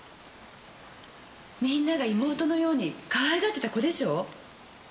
みんなが妹のようにかわいがってた子でしょう？